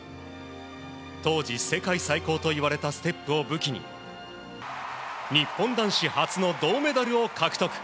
当時、世界最高といわれたステップを武器に日本男子初の銅メダルを獲得。